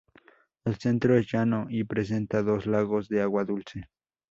El centro es llano y presenta dos lagos de agua dulce.